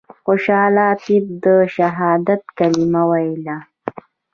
خوشحال طیب د شهادت کلمه ویله.